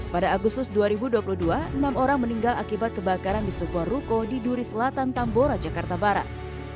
pada agustus dua ribu dua puluh dua enam orang meninggal akibat kebakaran di sebuah ruko di duri selatan tambora jakarta barat